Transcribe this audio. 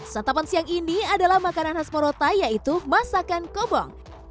santapan siang ini adalah makanan khas morotai yaitu masakan kobong